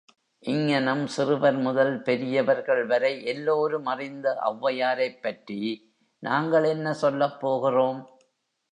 இங்ஙனம் சிறுவர்முதல் பெரியவர்கள்வரை எல்லோரும் அறிந்த ஒளவையாரைப்பற்றி, நாங்கள் என்ன சொல்லப்போகிறோம்?